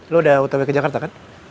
lu udah otw ke jakarta kan